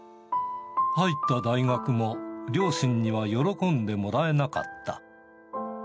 入った大学も両親には喜んでもらえなかった。